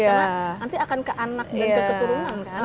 karena nanti akan ke anak dan keturunan kan